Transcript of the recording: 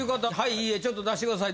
「いいえ」ちょっと出してください。